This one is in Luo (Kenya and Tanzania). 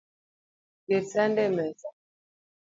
Ket sande emesa